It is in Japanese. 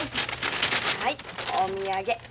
はいお土産。